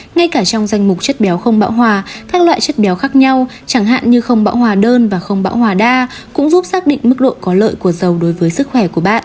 ngay cả trong danh mục chất béo không bão hòa các loại chất béo khác nhau chẳng hạn như không bão hòa đơn và không bão hòa đa cũng giúp xác định mức độ có lợi của dầu đối với sức khỏe của bạn